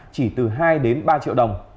chỉ từ hai đến ba triệu đồng